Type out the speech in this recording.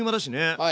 はい。